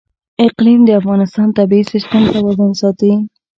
اقلیم د افغانستان د طبعي سیسټم توازن ساتي.